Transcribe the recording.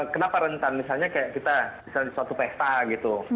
kenapa rentan misalnya kayak kita misalnya suatu pesta gitu